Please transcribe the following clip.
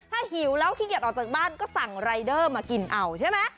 ถ้าหิวแล้วขี้เกียจออกจากบ้านก็สั่งรายเดอร์มากินเอาใช่ไหม